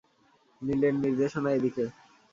নীলের নির্দেশনা এদিকে।